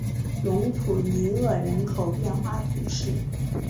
隆普尼厄人口变化图示